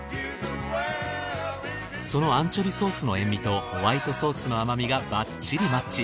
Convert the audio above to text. そのアンチョビソースの塩味とホワイトソースの甘みがバッチリマッチ。